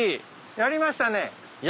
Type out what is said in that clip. やりましたね。